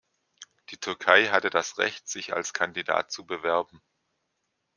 Die Türkei hatte das Recht, sich als Kandidat zu bewerben.